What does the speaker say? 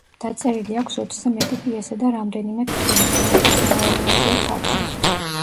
დაწერილი აქვს ოცზე მეტი პიესა და რამდენიმე თხზულება, რომელიც მრავალ ენაზეა თარგმნილი.